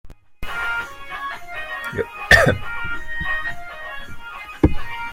Wisdom is better than strength.